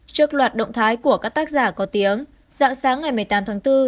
trước loạt động thái của các tác giả có tiếng dạng sáng ngày một mươi tám tháng bốn